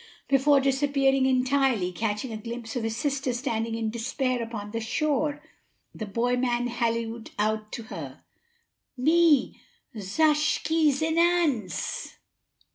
Before disappearing entirely, catching a glimpse of his sister standing in despair upon the shore, the boy man hallooed out to her: "Me zush ke zin ance!"